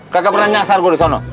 kagak pernah nyasar gue di sana